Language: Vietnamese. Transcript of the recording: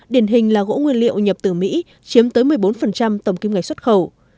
điển hình là gỗ nguyên liệu nhập từ mỹ chiếm tới một mươi bốn tổng kim ngạch xuất khẩu